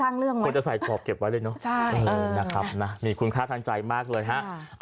คนจะใส่ขอบเก็บไว้ด้วยเนอะมีคุณค่าทันใจมากเลยฮะ